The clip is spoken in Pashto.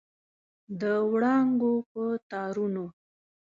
د وړانګو په تارونو